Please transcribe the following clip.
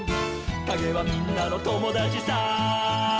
「かげはみんなのともだちさ」